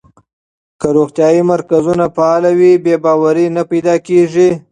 که روغتیايي مرکزونه فعال وي، بې باوري نه پیدا کېږي.